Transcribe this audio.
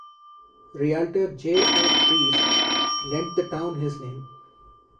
Realtor J. O. Treece lent the town his name.